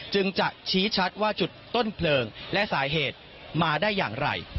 จึงจะชี้ชัดว่าจุดต้นเพลิงและสาเหตุมาได้อย่างไร